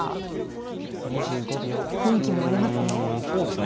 雰囲気もありますね。